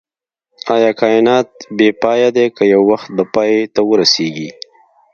ايا کائنات بی پایه دی که يو وخت به پای ته ورسيږئ